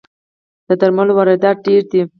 د درملو واردات ډیر دي